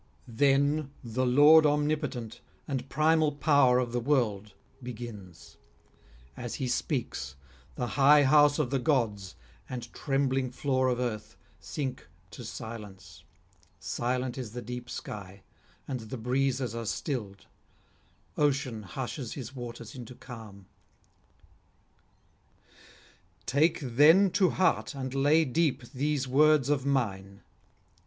Then the Lord omnipotent and primal power of the world begins; as he speaks the high house of the gods and trembling floor of earth sink to silence; silent is the deep sky, and the breezes are stilled; ocean hushes his waters into calm. 'Take then to heart and lay deep these words of mine.